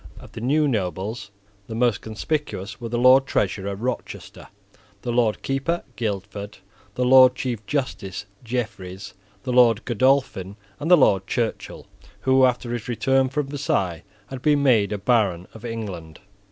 Of the new nobles, the most conspicuous were the Lord Treasurer Rochester, the Lord Keeper Guildford, the Lord Chief Justice Jeffreys, the Lord Godolphin, and the Lord Churchill, who, after his return from Versailles, had been made a Baron of England.